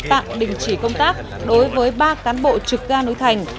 tạm đình chỉ công tác đối với ba cán bộ trực ga núi thành